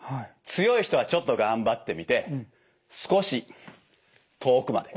強い人はちょっと頑張ってみて少し遠くまで。